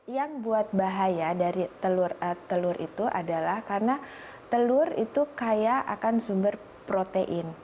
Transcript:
yang buat bahaya dari telur itu adalah karena telur itu kaya akan sumber protein